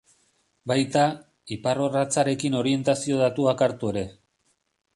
Baita, iparrorratzarekin orientazio datuak hartu ere.